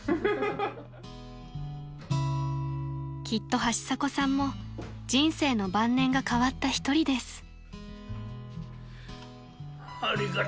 ［きっと橋迫さんも人生の晩年が変わった一人です］